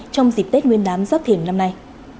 trong dịp tết nguyên đán giáp thiền năm nay